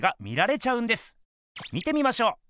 見てみましょう！